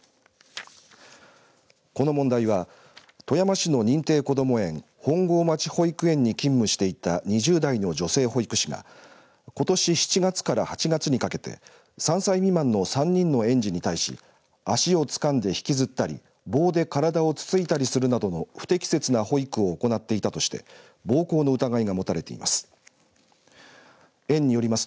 この問題は富山市の認定こども園本郷町保育園に勤務していた２０代の女性保育士がことし７月から８月にかけて３歳未満の３人の園児に対し足をつかんで引きずったり棒で体をつついたりするなどの不適切な保育を行っていたとして暴行の疑いが持たれています。